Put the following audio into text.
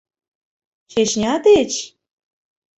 Чечня деч?